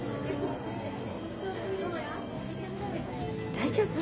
大丈夫？